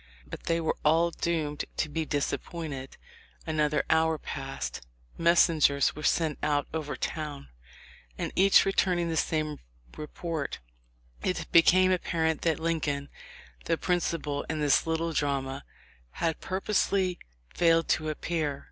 But they were all doomed to disappointment. Another hour passed; messengers were sent out over town, and each returning with the same report, it became apparent that Lincoln, the principal in this little drama, had purposely failed to appear